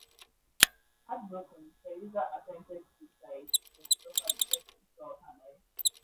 Heartbroken, Teresa attempted suicide then suffered depression throughout her life.